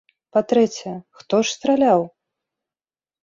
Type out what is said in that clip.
Па-трэцяе, хто ж страляў?